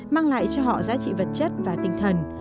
mang lại cho họ giá trị vật chất và tinh thần